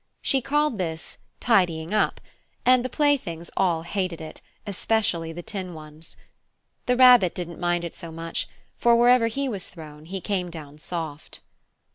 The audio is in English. She called this "tidying up," and the playthings all hated it, especially the tin ones. The Rabbit didn't mind it so much, for wherever he was thrown he came down soft.